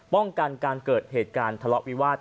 ป้องกันการเกิดเหตุการณ์ทะเลาะวิวาส